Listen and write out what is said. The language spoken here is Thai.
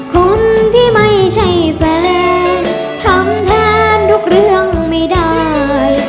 คนที่ไม่ใช่แฟนทำแทนทุกเรื่องไม่ได้